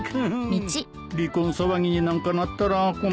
離婚騒ぎになんかなったら困るな